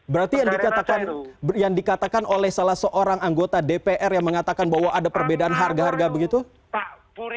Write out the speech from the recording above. berarti yang dikatakan oleh salah seorang anggota dpr yang mengatakan bahwa ada perbedaan harga harga begitu pak